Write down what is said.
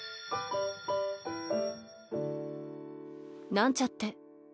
なんちゃって。